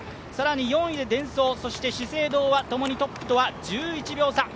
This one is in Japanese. ４位でデンソー、資生堂は共にトップとは１１秒差。